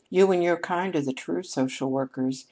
"You and your kind are the true social workers.